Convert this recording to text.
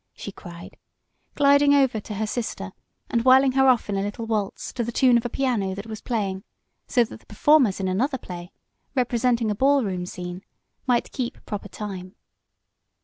she cried, gliding over to her sister and whirling her off in a little waltz to the tune of a piano that was playing so that the performers in another play, representing a ball room scene, might keep proper time.